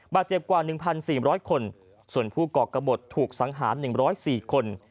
บาดเจ็บกว่า๑๔๐๐คนส่วนผู้ก่อกระบดถูกสังหาร๑๐๔คน